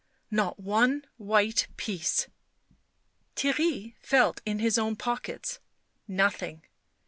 " Not one white piece." iTheirry felt in his own pockets. Nothing.